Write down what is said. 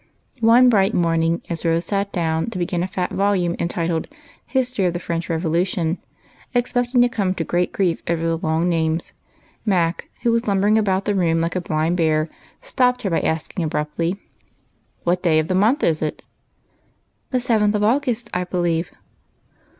One bright morning, as Rose sat down to begin a fat volume entitled " History of the French Revolu tion," expecting to come to great grief over the long names, Mac, who was lumbering about the room like a blind bear, stopped her by asking abruptly, — "What day of the month is it?" " The seventh of August, I believe."